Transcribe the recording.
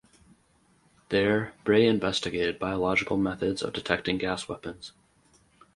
There Bray investigated biological methods of detecting gas weapons.